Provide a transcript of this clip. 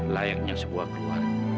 layaknya sebuah keluarga